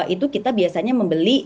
itu kita biasanya membeli